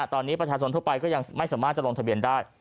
ตอนนี้ประชาชนทั่วไปก็ยังไม่สามารถจะลงทะเบียนได้